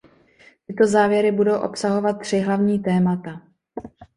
Tyto závěry budou obsahovat tři hlavní témata.